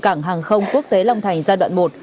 cảng hàng không quốc tế long thành giai đoạn một